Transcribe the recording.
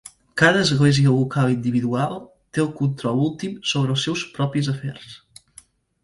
Cada església local individual té el control últim sobre els seus propis afers.